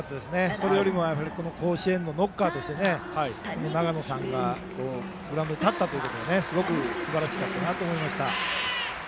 それよりも、この甲子園のノッカーとして永野さんがグラウンドに立ったことがすごくすばらしかったなと思いました。